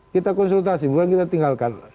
kita konsultasi bukan kita tinggalkan